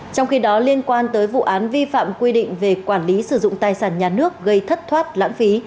trong khi đó liên quan tới vụ án vi phạm quy định về quản lý sử dụng tài sản nhà nước gây thất thoát lãng phí